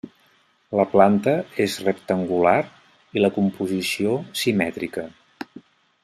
La planta és rectangular i la composició simètrica.